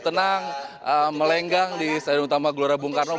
tenang melenggang di stadion utama gelora bung karno